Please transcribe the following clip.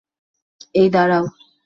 এই, দাড়াও!